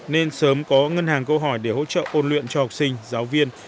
nên sớm có ngân hàng câu hỏi để hỗ trợ ôn luyện cho học sinh giáo viên